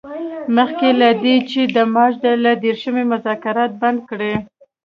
مخکې له دې چې د مارچ له دیرشمې مذاکرات بند کړي.